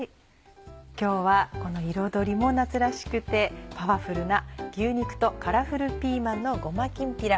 今日はこの彩りも夏らしくてパワフルな「牛肉とカラフルピーマンのごまきんぴら」。